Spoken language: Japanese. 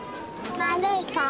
まるいかお。